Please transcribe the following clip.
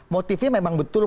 motifnya memang betul